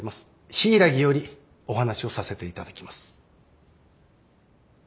柊木よりお話をさせていただきます。